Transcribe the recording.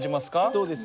どうです？